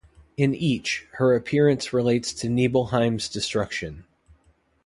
In each, her appearance relates to Nibelheim's destruction.